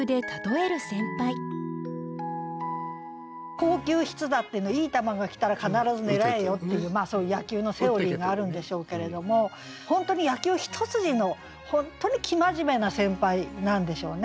「好球必打」っていい球が来たら必ず狙えよっていうそういう野球のセオリーがあるんでしょうけれども本当に野球一筋の本当に生真面目な先輩なんでしょうね。